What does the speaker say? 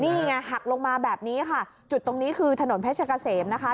นี่ไงหักลงมาแบบนี้ค่ะจุดตรงนี้คือถนนเพชรกะเสมนะคะ